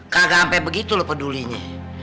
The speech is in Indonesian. kagak ampe begitu lo pedulinya